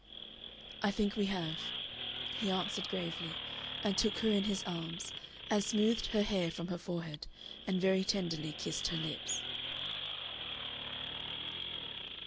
"I think we have," he answered, gravely, and took her in his arms, and smoothed her hair from her forehead, and very tenderly kissed her lips.